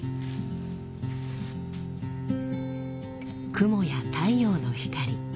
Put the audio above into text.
雲や太陽の光。